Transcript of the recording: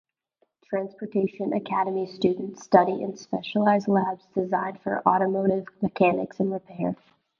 Transportation Academy - Students study in specialized labs designed for automotive mechanics and repair.